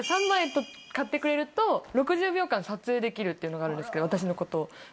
３枚買ってくれると６０秒間撮影できるっていうのがあるんですけど私のこと。